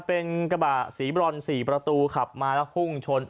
เป็นกระบะสีบรอน๔ประตูขับมาแล้วพุ่งชน